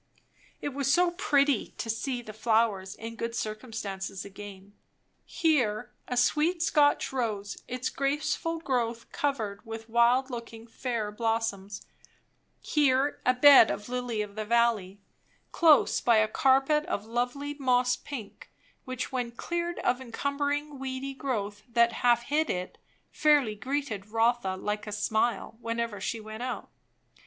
It was so pretty to see the flowers in good circumstances again! Here a sweet Scotch rose, its graceful growth covered with wild looking, fair blossoms; here a bed of lily of the valley; close by a carpet of lovely moss pink, which when cleared of encumbering weedy growth that half hid it, fairly greeted Rotha like a smile whenever she went out.